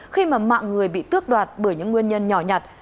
khi mà mạng người bị tước đoạt bởi những nguyên nhân nhỏ nhặt